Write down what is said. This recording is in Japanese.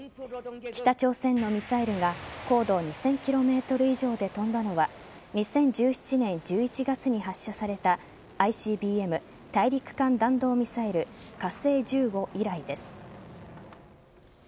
北朝鮮のミサイルが高度２０００ｋｍ以上で飛んだのは２０１７年１１月に発射されたＩＣＢＭ＝大陸間弾道ミサイル火星１５以来です。